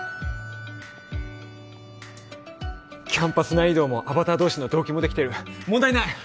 キャンパス内移動もアバター同士の同期もできてる問題ない！